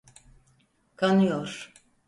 Kanıyor.